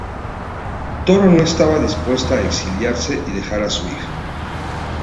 Toro no estaba dispuesta a exiliarse y dejar a su hija.